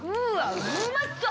うまそう！